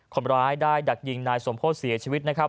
คนร้ายได้ดักยิงนายสมโพธิเสียชีวิตนะครับ